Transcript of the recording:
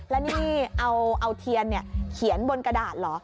แล้วยนี่เอาเอาเทียนเนี่ยเขียนบนกระดาษเหรอ